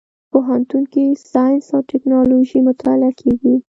پوهنتون کې ساينس او ټکنالوژي مطالعه کېږي.